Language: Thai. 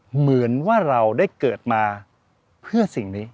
เหมือนว่าเราได้เกิดมาเพื่อสิ่งนี้